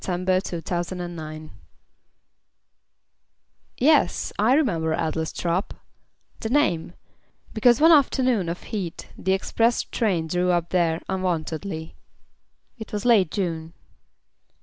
Edward Thomas Adlestrop YES, I remember Adlestrop The name because one afternoon Of heat the express train drew up there Unwontedly. It was late June.